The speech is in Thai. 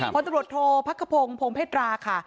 คุณตำรวจโทรพักกระโพงพงภ์เพศราค่ะ